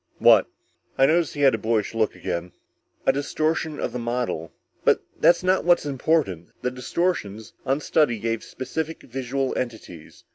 "What?" I noticed he had the boyish look again. "A distortion of the model. But that's not what's important. The distortions, on study, gave specific visual entities.